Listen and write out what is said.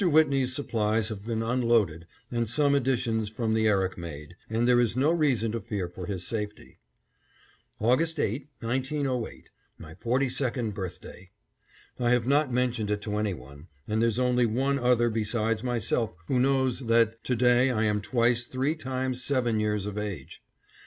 Whitney's supplies have been unloaded and some additions from the Erik made, and there is no reason to fear for his safety. August 8, 1908: My forty second birthday. I have not mentioned it to any one, and there's only one other besides myself who knows that to day I am twice three times seven years of age.